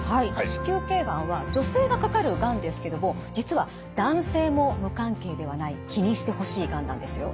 子宮頸がんは女性がかかるがんですけども実は男性も無関係ではない気にしてほしいがんなんですよ。